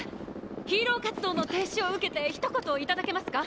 ヒーロー活動の停止を受けてひと言頂けますか？